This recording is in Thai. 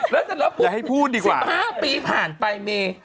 แล้วแต่ละปุ๊บ๑๕ปีผ่านไปเมีย